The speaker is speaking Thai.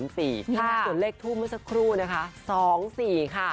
ส่วนเลขทูปเมื่อสักครู่นะคะ๒๔ค่ะ